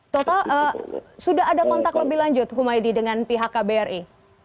total sudah ada kontak lebih lanjut humaydi dengan pihak kbri